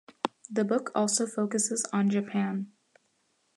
The book also focuses on Japan.